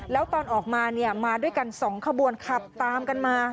แล้วตอนออกมาเนี่ยมาด้วยกัน๒ขบวนขับตามกันมา